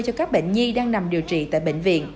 cho các bệnh nhi đang nằm điều trị tại bệnh viện